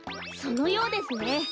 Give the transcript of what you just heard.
そのようですね。